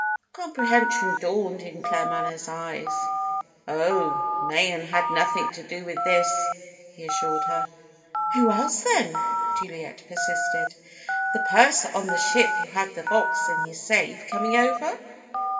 Comprehension dawned in Claremanagh's eyes. "Oh, Mayen had nothing to do with this!" he assured her. "Who else, then?" Juliet persisted. "The purser on the ship, who had the box in his safe, coming over?